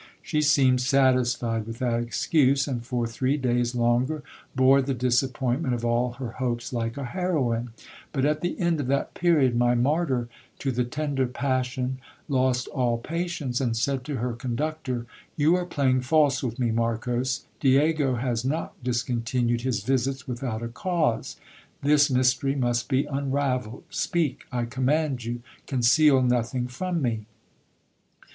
She seemed satisfied with that excuse, and for three days longer bore the disappointment of all her hopes like a heroine ; but at the end of that period, my martyr to the tender passion lost all patience, and said to her conductor — You are playing false with me, Marcos ; Diego has not discon tinued his visits without a cause. This mystery must be unravelled. Speak, I command you ; conceal nothing from me.